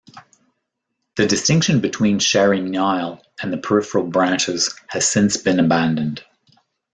The distinction between Chari-Nile and the peripheral branches has since been abandoned.